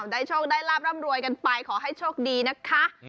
โชคได้ลาบร่ำรวยกันไปขอให้โชคดีนะคะ